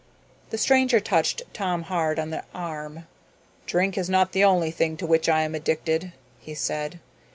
The stranger touched Tom Hard on the arm. "Drink is not the only thing to which I am addicted," he said.